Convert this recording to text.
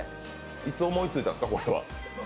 いつ思いついたんですか？